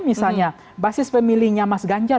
misalnya basis pemilihnya mas ganjar